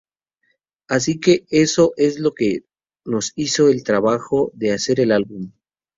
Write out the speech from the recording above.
Así que eso es lo que nos hizo el trabajo de hacer el álbum.